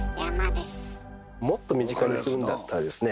もっと身近にするんだったらですね